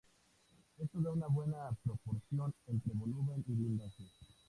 Esto da una buena proporción entre volumen y blindaje.